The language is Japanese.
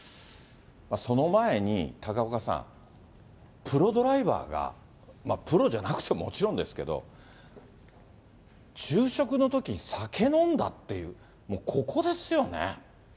その前に、高岡さん、プロドライバーが、プロじゃなくてももちろんですけれども、昼食のときに酒飲んだっていう、もうここですよね。